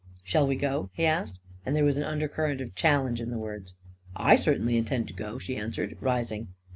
" Shall we go ?" he asked ; and there was an un dercurrent of challenge in the words. " I certainly intend to go," she answered, rising.